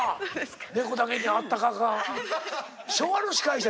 「猫」だけに「あったかかった」。